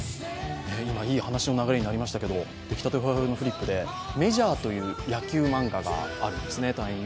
今、いい話の流れになりましたけれども、できたてほやほやのフリップで「メジャー」という野球漫画があるんですね。